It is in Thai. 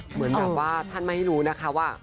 เหมือนแบบว่าท่านไม่ให้รู้นะคะว่า